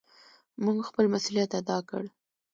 مونږ خپل مسؤليت ادا کړ.